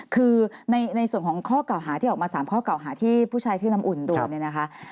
คือในส่วนของข้อเก่าหาที่ออกมา๓ข้อเก่าหาที่ผู้ชายชื่อนำอุ่นโดน